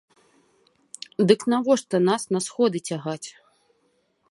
Дык навошта нас на сходы цягаць?